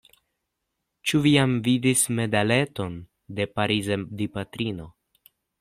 Ĉu vi iam vidis medaleton de Pariza Dipatrino?